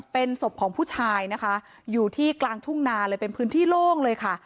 เป็นศพของผู้ชายนะคะอยู่ที่กลางทุ่งนาเลยเป็นพื้นที่โล่งเลยค่ะ